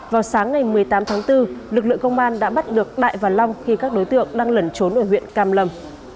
vào sáng ngày một mươi tám tháng bốn lực lượng công an đã bắt được đại và long khi các đối tượng đang lẩn trốn ở huyện cam lâm